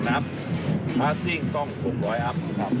๑๐อัพพาร์ทซิ่งต้อง๖๐๐อัพ